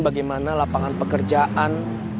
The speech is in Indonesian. bagaimana lapangan pekerjaan